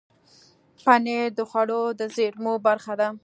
پنېر د خوړو د زېرمو برخه ده.